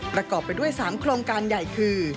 ประกอบไปด้วย๓โครงการใหญ่คือ